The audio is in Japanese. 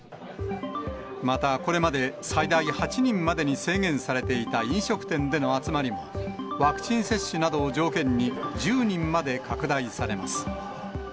また、これまで最大８人までに制限されていた飲食店での集まりも、ワクチン接種などを条件に、１０人まで拡大されます。